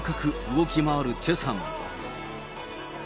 動き回るチェさん。